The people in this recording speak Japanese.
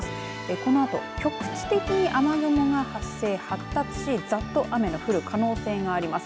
このあと局地的に雨雲が発生発達しざっと雨の降る可能性があります。